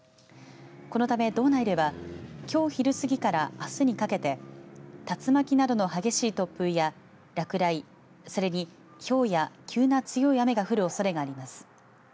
このため道内ではきょう昼過ぎからあすにかけて竜巻などの激しい突風や落雷それにひょうや急な強い雨が降るおそれがあります。